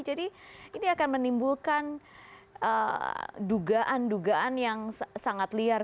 jadi ini akan menimbulkan dugaan dugaan yang sangat liar